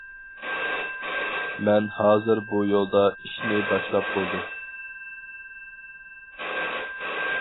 مەن ھازىر بۇ يولدا ئىشنى باشلاپ بولدۇم.